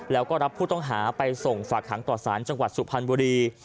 แล้วก็รับผู้ต้องหาไปส่งฝากหางต่อสารจังหวัดสุพรรณบุรี